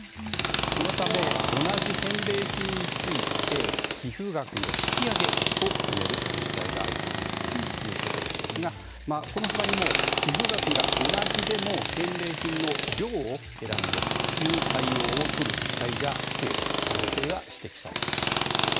このため、同じ返礼品について寄付額の引き上げを決める自治体が相次いでいるんですがこの他にも寄付額が同じでも返礼品の量を減らすという対応をとる自治体が増える可能性が指摘されています。